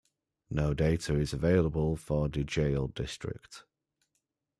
No data is available for Dujail District.